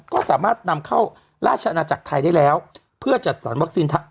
ก็สามารถนำเข้าราชอาณาจักรไทยได้แล้วเพื่อจัดสรรวัคซีน